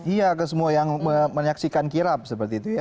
iya ke semua yang menyaksikan kirap seperti itu ya